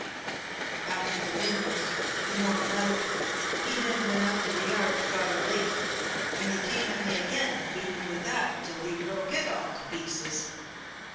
After the limb was worn out he then went out to the yard and got a lath, and he come at me again and beat me with that until he broke it all to pieces.